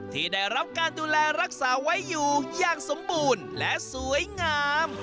ที่ได้รับการดูแลรักษาไว้อยู่อย่างสมบูรณ์และสวยงาม